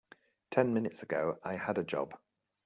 Ten minutes ago I had a job.